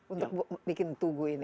untuk bikin tugu ini